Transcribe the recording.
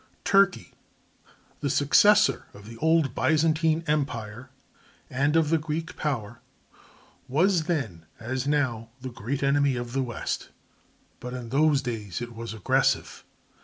Turkey—the successor of the old Byzantine empire and of the Greek power—was then, as now, the great enemy of the west, but in those days it was aggressive.